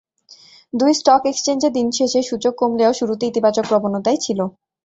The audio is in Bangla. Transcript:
দুই স্টক এক্সচেঞ্জে দিন শেষে সূচক কমলেও শুরুতে ইতিবাচক প্রবণতায় ছিল।